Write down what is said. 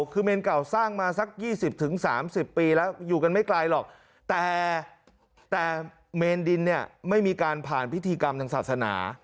คือเมนเก่าสร้างมาสัก๒๐๓๐ปีแล้วอยู่กันไม่ไกลหรอกแต่เมนดินเนี่ยไม่มีการผ่านพิธีกรรมทางศาสนา